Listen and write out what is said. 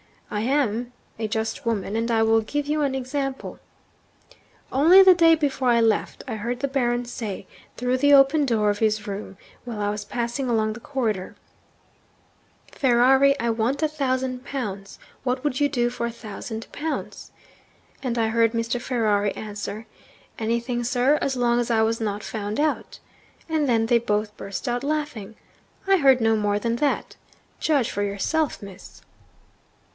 I am a just woman; and I will give you an example. Only the day before I left, I heard the Baron say (through the open door of his room while I was passing along the corridor), "Ferrari, I want a thousand pounds. What would you do for a thousand pounds?" And I heard Mr. Ferrari answer, "Anything, sir, as long as I was not found out." And then they both burst out laughing. I heard no more than that. Judge for yourself, Miss.'